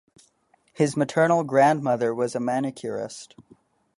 His maternal grandmother was a manicurist.